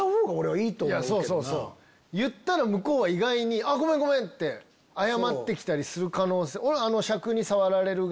言ったら向こうは意外にごめんごめん！って謝って来たりする可能性も。